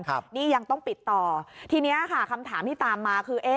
ตอนนี้ยังต้องปิดต่อทีนี้ค่ะคำถามที่ตามมาคือ